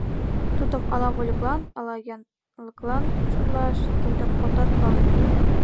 Тудым ала вольыклан, ала янлыклан шотлаш — тидым отат пале.